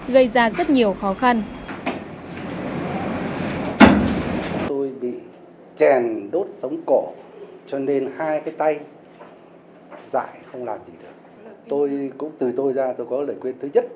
gây ra rất nhiều khó khăn